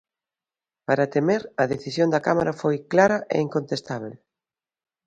Para Temer, a decisión da Cámara foi "clara e incontestábel".